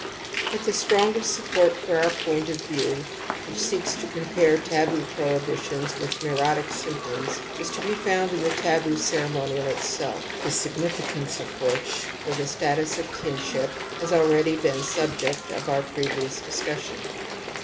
But the strongest ^ support jfor .x>ur point oi view, which seeks to compare taboo jgrohibitions with neurotic symptoms, is to be found in the iabpa ceremonial itselL the siffnificance of which for the status of «MfMp has already been the subject of our previous discussion.